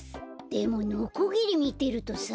でもノコギリみてるとさあ。